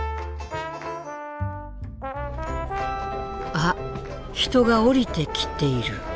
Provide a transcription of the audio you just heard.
あっ人が下りてきている。